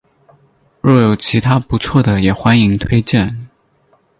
若有其他不错的也欢迎推荐